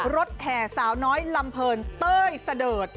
แห่สาวน้อยลำเพลินเต้ยเสดิร์ด